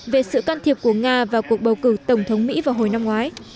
về sự can thiệp của nga vào cuộc bầu cử tổng thống mỹ vào hồi năm ngoái